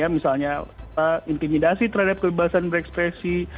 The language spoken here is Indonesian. misalnya intimidasi terhadap kebebasan berekspresi